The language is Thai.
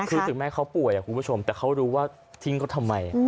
คือถึงแม้เขาป่วยคุณผู้ชมแต่เขารู้ว่าทิ้งเขาทำไม